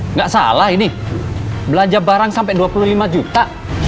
nggak salah ini belanja barang sampai dua puluh lima juta